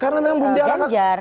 karena memang belum diarahkan